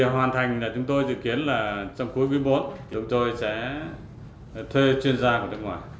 hoàn thành là chúng tôi dự kiến là trong cuối quý bốn chúng tôi sẽ thuê chuyên gia của nước ngoài